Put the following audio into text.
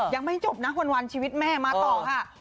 ยังไม่จบนะวันชีวิตแม่มาต่อค่ะ